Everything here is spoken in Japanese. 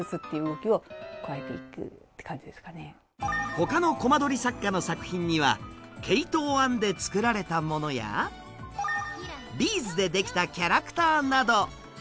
他のコマ撮り作家の作品には毛糸を編んで作られたものやビーズで出来たキャラクターなど。